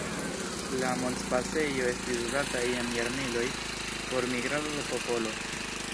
La montpasejo estis uzata jam jarmiloj por migrado de popolo.